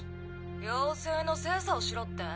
要請の精査をしろって？